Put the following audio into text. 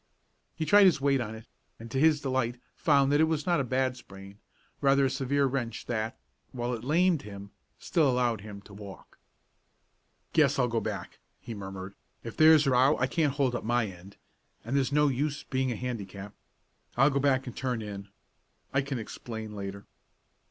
He tried his weight on it, and to his delight found that it was not a bad sprain, rather a severe wrench that, while it lamed him, still allowed him to walk. "Guess I'll go back," he murmured. "If there's a row I can't hold up my end, and there's no use being a handicap. I'll go back and turn in. I can explain later."